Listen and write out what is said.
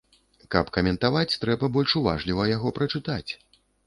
Каб каментаваць, трэба больш уважліва яго прачытаць.